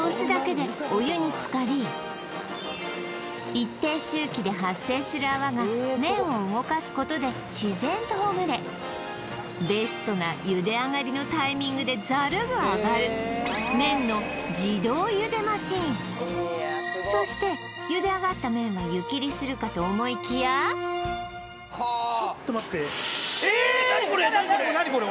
一定周期で発生する泡が麺を動かすことで自然とほぐれベストな茹で上がりのタイミングでザルが上がるそして茹で上がった麺ははあちょっと待って何これ何これ！？